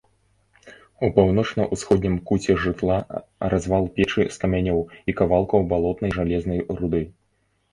У паўночна-ўсходнім куце жытла развал печы з камянёў і кавалкаў балотнай жалезнай руды.